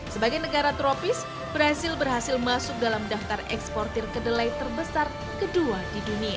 sebagai negara tropis brazil berhasil masuk dalam daftar eksportir kedelai terbesar kedua di dunia